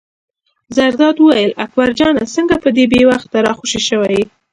زرداد وویل: اکبر جانه څنګه په دې بې وخته را خوشې شوی یې.